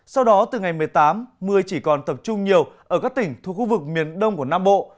sau đó từ ngày một mươi tám mưa chỉ còn tập trung nhiều ở các tỉnh thuộc khu vực miền đông của nam bộ